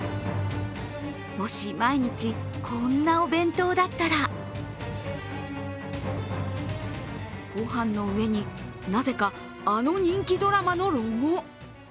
もし毎日、こんなお弁当だったらご飯の上に、なぜかあの人気ドラマのロゴ。